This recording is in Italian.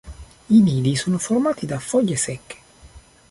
I nidi sono formati da foglie secche.